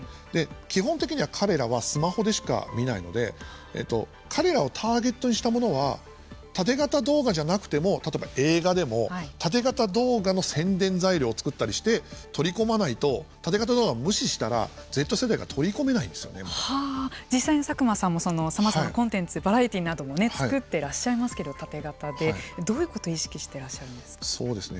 基本的には彼らはスマホでしか見ないので彼らをターゲットにしたものはタテ型動画じゃなくても例えば映画でもタテ型動画の宣伝材料を作ったりして取り込まないとタテ型動画を無視したら実際に佐久間さんもさまざまなコンテンツバラエティーなどを作っていらっしゃいますけどタテ型でどういうことを意識していらっしゃるんですか。